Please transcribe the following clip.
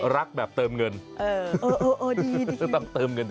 รักแบบเติมเงินดิ